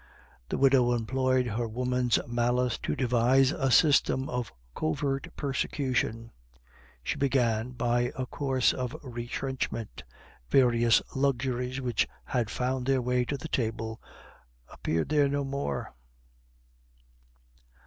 The widow employed her woman's malice to devise a system of covert persecution. She began by a course of retrenchment various luxuries which had found their way to the table appeared there no more.